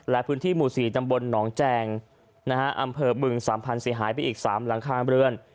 และพื้นที่หมู่๔จำบลหนองแจงอำเภอบึง๓๐๐๐ศรีหายไปอีก๓หลังคาบริเวณ